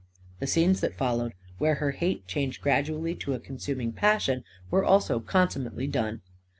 The scenes that followed, where her hate changed gradually to a consuming passion, were also consummately done.